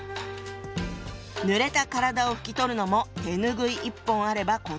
ぬれた体を拭き取るのも手拭い一本あれば事足りる。